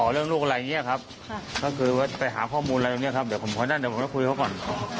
เดี๋ยวบอกว่าคุยกับเขาก่อน